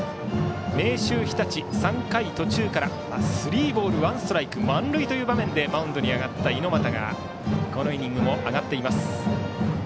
明秀日立、３回途中からスリーボールワンストライク満塁という場面でマウンドに上がった猪俣がこのイニングも上がっています。